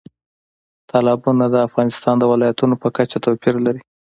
تالابونه د افغانستان د ولایاتو په کچه توپیر لري.